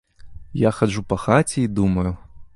Я хаджу па хаце і думаю.